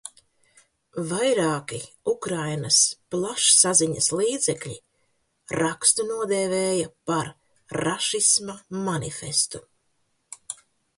Vairāki Ukrainas plašsaziņas līdzekļi rakstu nodēvēja par rašisma manifestu.